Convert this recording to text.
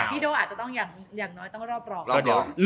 พี่โด้อาจจะอย่างน้อยต้องรอบรอง